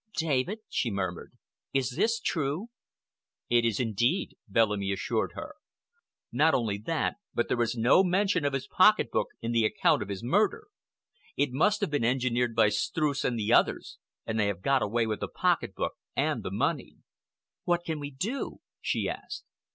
"David," she murmured, "is this true?" "It is indeed," Bellamy assured her. "Not only that, but there is no mention of his pocket book in the account of his murder. It must have been engineered by Streuss and the others, and they have got away with the pocket book and the money." "What can we do?" she asked.